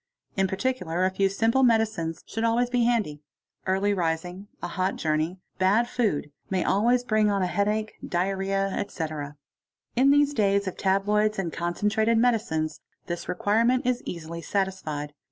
In particular a few simple medicines should always be handy ; early rising, a hot journey, bad food, may always bring on a headache, "diarrhoea, etc. In these days of tabloids and concentrated medicines this requirement is éasily satisfied.